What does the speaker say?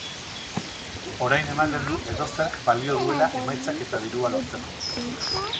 Orain ematen du edozerk balio duela emaitzak eta dirua lortzeko.